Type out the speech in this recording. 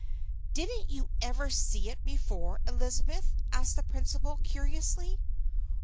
"Didn't you ever see it before, Elizabeth?" asked the principal, curiously.